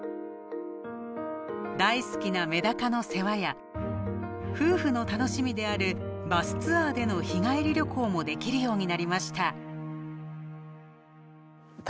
大好きなメダカの世話や夫婦の楽しみであるバスツアーでの日帰り旅行もできるようになりました。